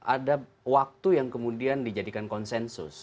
ada waktu yang kemudian dijadikan konsensus